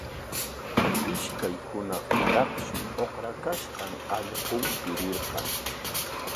Ishkay hunaqtaraqshi uqrakashqan allqun yurirqan.